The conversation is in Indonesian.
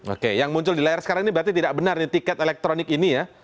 oke yang muncul di layar sekarang ini berarti tidak benar nih tiket elektronik ini ya